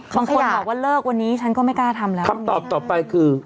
บางคนบอกว่าเลิกวันนี้ฉันก็ไม่กล้าทำแล้วคำตอบต่อไปคือ